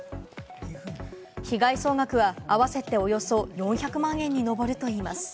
被害総額は合わせておよそ４００万円に上るといいます。